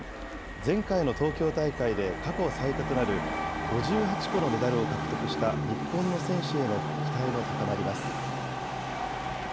前回の東京大会で過去最多となる５８個のメダルを獲得した日本の選手への期待も高まります。